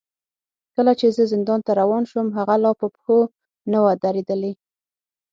کله چې زه زندان ته روان شوم، هغه لا په پښو نه و درېدلی.